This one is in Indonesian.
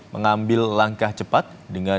mengambil langkah cepat dengan mencari penjagaan